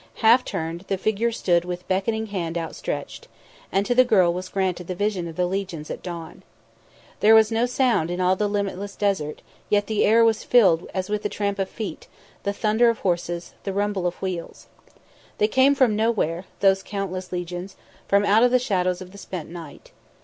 Half turned, the figure stood with beckoning hand outstretched. And to the girl was granted the Vision of the Legions at Dawn. There was no sound in all the limitless desert, yet the air was filled as with the tramp of feet, the thunder of horses, the rumble of wheels. They came from nowhere, those countless legions, from out of the shadows of the spent night.